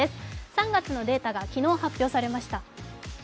３月のデータが昨日発表されました